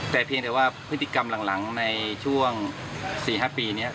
แต่เพียงแต่ว่าพฤติกรรมหลังในช่วง๔๕ปีนี้